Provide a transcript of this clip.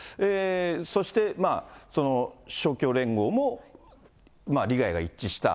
そして勝共連合も利害が一致した。